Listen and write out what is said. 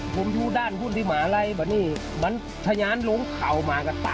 คุณเดี๋ยวกันมาซิว่ามันคือรอยเท้าอะไร